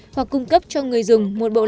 hoặc cung cấp cho người dùng một bình luận